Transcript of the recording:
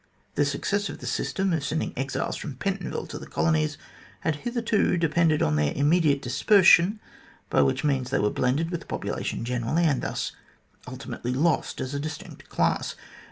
The success of the system of sending exiles from Pentonville to the colonies had hitherto depended on their immediate dispersion, by which means they were blended with the population generally, and thus ultimately lost as a distinct class.